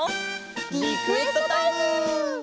リクエストタイム！